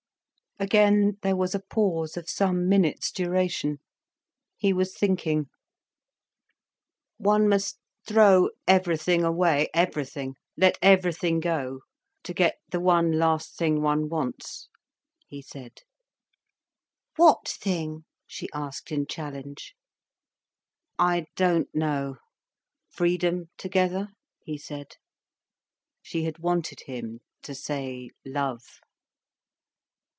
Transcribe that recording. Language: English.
Again there was a pause of some minutes' duration. He was thinking. "One must throw everything away, everything—let everything go, to get the one last thing one wants," he said. "What thing?" she asked in challenge. "I don't know—freedom together," he said. She had wanted him to say 'love.